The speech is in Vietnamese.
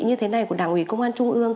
như thế này của đảng ủy công an trung ương